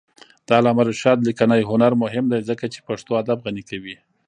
د علامه رشاد لیکنی هنر مهم دی ځکه چې پښتو ادب غني کوي.